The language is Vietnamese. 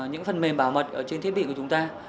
những phần mềm bảo mật trên thiết bị của chúng ta